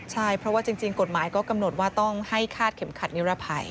ใช่เพราะว่าจริงกฎหมายก็กำหนดว่าต้องให้คาดเข็มขัดนิรภัย